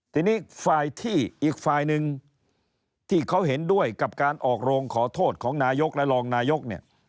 ทีนี้ฝ่ายที่อีกฝ่ายหนึ่งที่เขาเห็นด้วยกับการออกโรงขอโทษของนายกและรองนายกเนี่ย